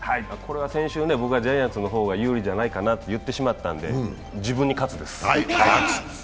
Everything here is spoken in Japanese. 先週、僕はジャイアンツの方が有利じゃないかと言ってしまったので自分に喝です。